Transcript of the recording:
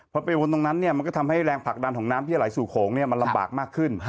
พอไปวนตรงนั้นมันก็ทำให้แรงผลักดันของน้ำที่จะไหลสู่โขงมันลำบากมากขึ้น